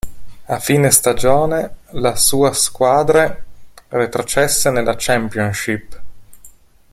A fine stagione, la sua squadre retrocesse nella Championship.